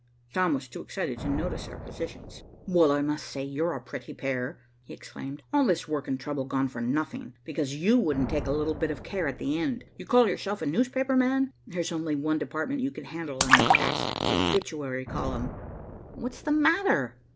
Tom was too excited to notice our positions. "Well, I must say you are a pretty pair," he exclaimed. "All this work and trouble gone for nothing, because you wouldn't take a little bit of care at the end. You call yourself a newspaper man. There's only one department you could handle and that's the Obituary column." "What's the matter?"